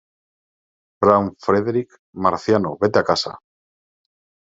Brown, Frederic, "¡Marciano, vete a casa!